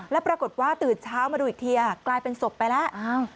แล้วปรากฏว่าตื่นเช้ามาดูอีกทีกลายเป็นศพไปแล้ว